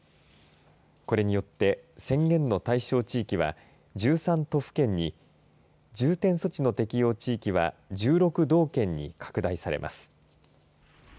これによって宣言の対象地域は１３都府県に重点措置の適用地域は１６道県に拡大されます。